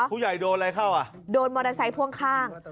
ผู้ใหญ่โดนอะไรเข้าโดนมอเตอร์ไซส์พ่วงข้าง